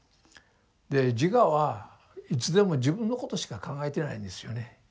で自我はいつでも自分のことしか考えてないんですよね。